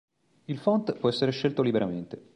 Il font può essere scelto liberamente.